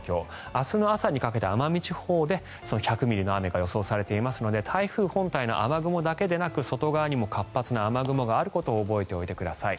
明日の朝にかけて奄美地方で１００ミリの雨が予想されていますので台風本体の雨雲だけでなく外側にも活発な雨雲があることを覚えておいてください。